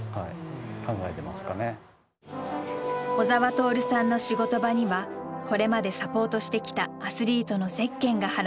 小澤徹さんの仕事場にはこれまでサポートしてきたアスリートのゼッケンが貼られています。